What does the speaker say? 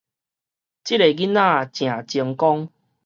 這个囡仔誠精光